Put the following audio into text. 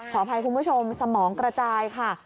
อภัยคุณผู้ชมสมองกระจายค่ะ